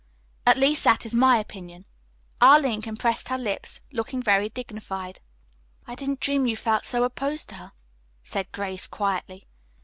At least that is my opinion." Arline compressed her lips, looking very dignified. "I didn't dream you felt so opposed to her," said Grace quietly.